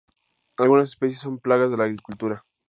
Algunas especies son plagas de la agricultura.